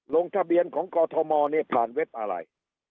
ลงทะเบียนของกอทมเนี่ยผ่านเว็บอะไร